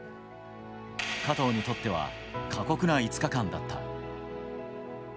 加藤にとっては過酷な５日間があった。